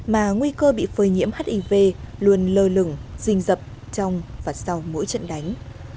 mà nguy cơ bị phơi nhiễm hiv luôn lơ lửng rinh rập trong và sau mỗi trận đánh